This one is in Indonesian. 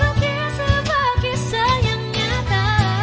kau lukis sebuah kisah yang nyata